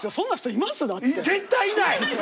絶対いない！